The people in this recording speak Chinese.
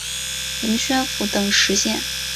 领宣府等十县。